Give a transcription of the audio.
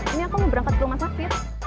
ini aku mau berangkat ke rumah sakit